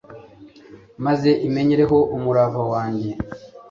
maze imenyereho umurava wanjye